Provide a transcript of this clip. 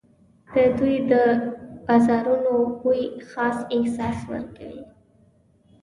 د دوی د بازارونو بوی خاص احساس ورکوي.